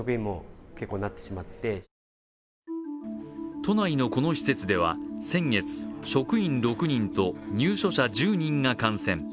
都内のこの施設では先月、職員６人と入所者１０人が感染。